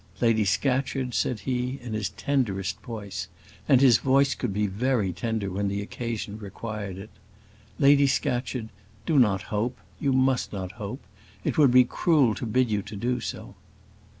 "Lady Scatcherd," said he, in his tenderest voice and his voice could be very tender when occasion required it "Lady Scatcherd, do not hope; you must not hope; it would be cruel to bid you do so."